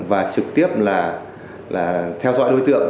và trực tiếp theo dõi đối tượng